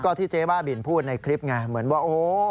ก็ที่เจ๊บ้าบินพูดในคลิปไงเหมือนว่าโอ้โห